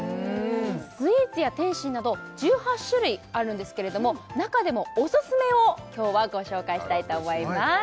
スイーツや点心など１８種類あるんですけれども中でもオススメを今日はご紹介したいと思います